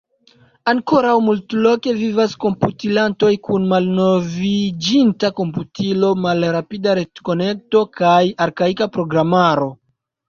Ankoraŭ multloke vivas komputilantoj kun malnoviĝinta komputilo, malrapida retkonekto kaj arkaika programaro.